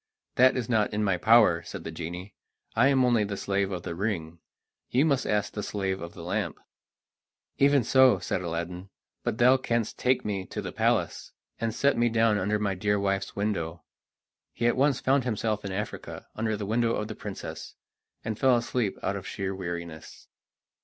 "That is not in my power," said the genie; "I am only the slave of the ring; you must ask the slave of the lamp." "Even so," said Aladdin "but thou canst take me to the palace, and set me down under my dear wife's window." He at once found himself in Africa, under the window of the princess, and fell asleep out of sheer weariness.